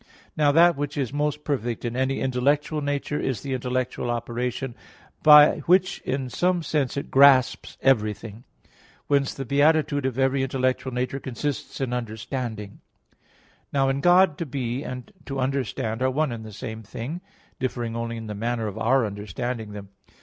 Now that which is most perfect in any intellectual nature is the intellectual operation, by which in some sense it grasps everything. Whence the beatitude of every intellectual nature consists in understanding. Now in God, to be and to understand are one and the same thing; differing only in the manner of our understanding them.